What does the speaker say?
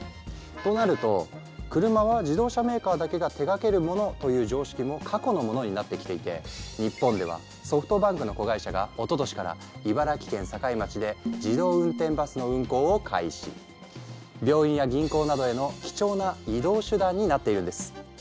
となると車は自動車メーカーだけが手がけるものという常識も過去のものになってきていて日本ではソフトバンクの子会社がおととしから茨城県境町で病院や銀行などへの貴重な移動手段になっているんです。